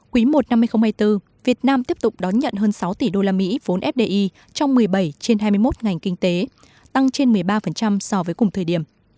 quý i năm hai nghìn hai mươi bốn việt nam tiếp tục đón nhận hơn sáu tỷ usd vốn fdi trong một mươi bảy trên hai mươi một ngành kinh tế tăng trên một mươi ba so với cùng thời điểm